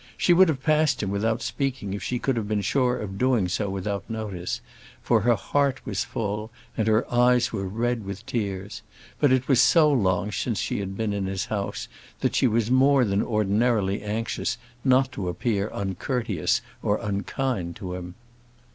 She would have passed him without speaking if she could have been sure of doing so without notice, for her heart was full, and her eyes were red with tears; but it was so long since she had been in his house that she was more than ordinarily anxious not to appear uncourteous or unkind to him.